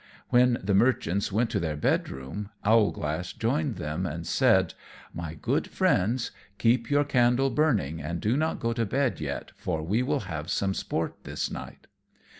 When the merchants went to their bed room Owlglass joined them, and said, "My good Friends, keep your candle burning, and do not go to bed yet, for we will have some sport this night."